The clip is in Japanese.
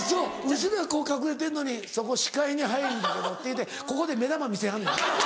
後ろへこう隠れてんのに「そこ視界に入んだけど」って言うてここで目玉見せはんの？